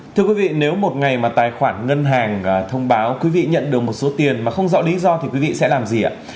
thưa quý vị nếu một ngày mà tài khoản ngân hàng thông báo quý vị nhận được một số tiền mà không rõ lý do thì quý vị sẽ làm gì ạ